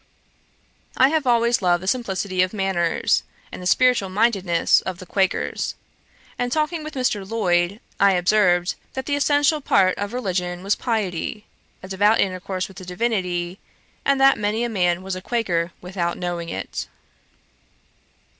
I have always loved the simplicity of manners, and the spiritual mindedness of the Quakers; and talking with Mr. Lloyd, I observed, that the essential part of religion was piety, a devout intercourse with the Divinity; and that many a man was a Quaker without knowing it.